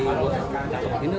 gak ada bagian dengan